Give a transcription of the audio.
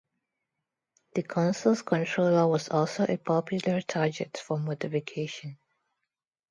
The console's controller was also a popular target for modification.